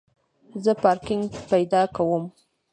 زه پارکینګ پیدا کوم